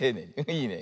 いいね。